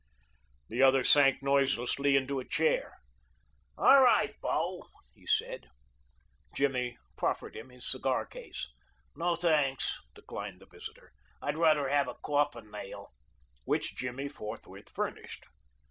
The other sank noiselessly into a chair. "All right, bo," he said. Jimmy proffered him his cigar case. "No, thanks," declined the visitor. "I'd rather have a coffin nail," which Jimmy forthwith furnished.